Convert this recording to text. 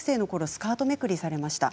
スカートめくりをされました。